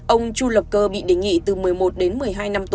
ông chu lập cơ bị đề nghị từ một mươi một đến một mươi hai năm tù